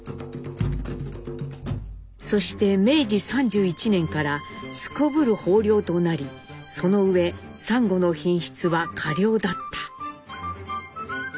そして明治３１年からすこぶる豊漁となりそのうえサンゴの品質は佳良だった。